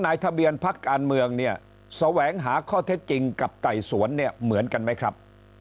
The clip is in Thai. นายทะเบียนพักการเมืองเนี่ยแสวงหาข้อเท็จจริงกับไต่สวนเนี่ยเหมือนกันไหมครับ